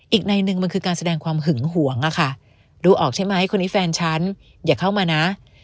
อีกในหนึ่งมันคือการแสดงความหึงหวงอะค่ะดูออกใช่ไหมคนนี้แฟนฉันอย่าเข้ามานะ